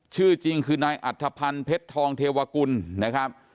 ชื่อจริงคือนายอัธพันธ์เพชรทองเทวกุลนะครับ